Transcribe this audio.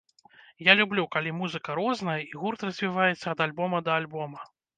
Я люблю, калі музыка розная і гурт развіваецца ад альбома да альбома.